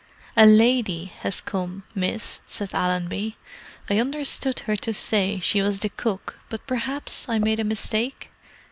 "A lady has come, miss," said Allenby. "I understood her to say she was the cook, but perhaps I made a mistake?"